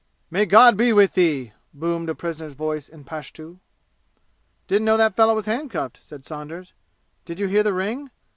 "May God be with thee!" boomed a prisoner's voice in Pashtu. "Didn't know that fellow was handcuffed," said Saunders. "Did you hear the ring?